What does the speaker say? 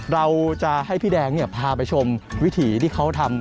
เราจะให้พี่แดงพาไปชมวิถีที่เขาทำ